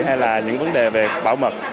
hay là những vấn đề về bảo mật